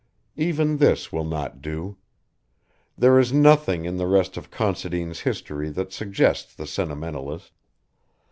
Even this will not do. There is nothing in the rest of Considine's history that suggests the sentimentalist.